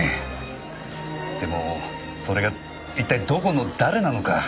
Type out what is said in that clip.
でもそれが一体どこの誰なのか。